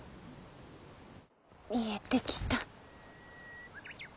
見えてきた。